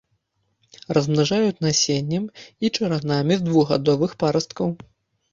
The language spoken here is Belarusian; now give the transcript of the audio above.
Размнажаюць насеннем і чаранамі з двухгадовых парасткаў.